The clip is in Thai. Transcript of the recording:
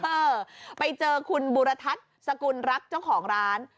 เออไปเจอคุณบุรทัศน์สกุลรักเจ้าของร้าน